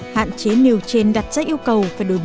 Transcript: hạn chế nêu trên đặt ra yêu cầu và đổi mới